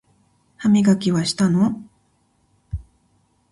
歯磨きはしたの？